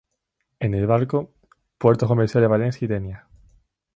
En barco: Puertos comerciales de Valencia y Denia.